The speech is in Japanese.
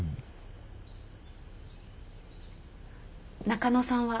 中野さんは？